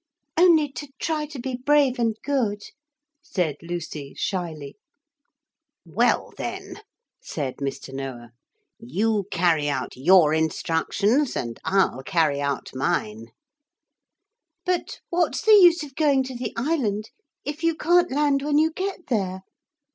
'Only to try to be brave and good,' said Lucy shyly. 'Well, then,' said Mr. Noah, 'you carry out your instructions and I'll carry out mine.' 'But what's the use of going to the island if you can't land when you get there?'